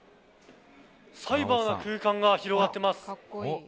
サイバーな空間が広がってます。